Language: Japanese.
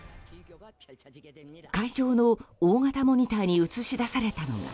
会場の大型モニターに映し出されたのはｚ。